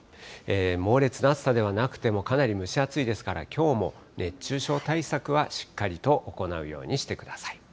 猛烈な暑さではなくても、かなり蒸し暑いですから、きょうも熱中症対策はしっかりと行うようにしてください。